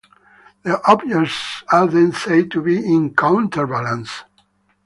The objects are then said to be in counterbalance.